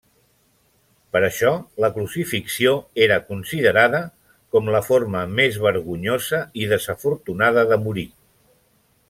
Per això la crucifixió era considerada com la forma més vergonyosa i desafortunada de morir.